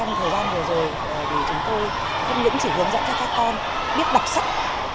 trong thời gian vừa rồi thì chúng tôi không những chỉ hướng dẫn cho các con biết đọc sách